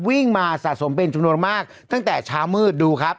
วิ่งมาสะสมเป็นจำนวนมากตั้งแต่เช้ามืดดูครับ